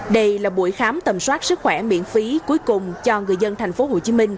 đây là buổi khám tầm soát sức khỏe miễn phí cuối cùng cho người dân tp hcm